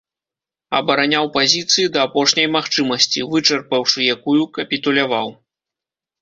Абараняў пазіцыі да апошняй магчымасці, вычарпаўшы якую капітуляваў.